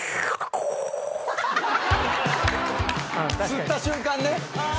吸った瞬間ね。